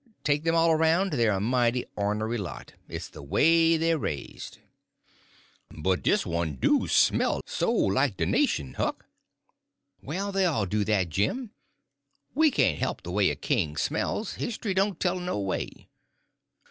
Take them all around, they're a mighty ornery lot. It's the way they're raised." "But dis one do smell so like de nation, Huck." "Well, they all do, Jim. We can't help the way a king smells; history don't tell no way."